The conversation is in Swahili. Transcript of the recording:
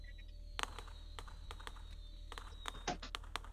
wamemlaumu serikali ya Bolsonaro kwa janga la moto